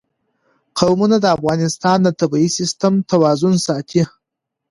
قومونه د افغانستان د طبعي سیسټم توازن ساتي.